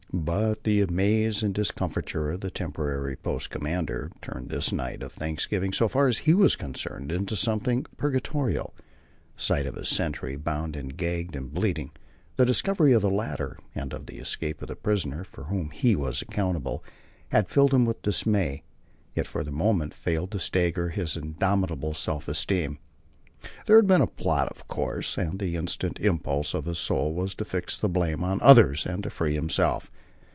But the amaze and discomfiture of the temporary post commander turned this night of thanksgiving, so far as he was concerned, into something purgatorial. The sight of his sentry, bound, gagged and bleeding, the discovery of the ladder and of the escape of the prisoner, for whom he was accountable, had filled him with dismay, yet for the moment failed to stagger his indomitable self esteem. There had been a plot, of course, and the instant impulse of his soul was to fix the blame on others and to free himself.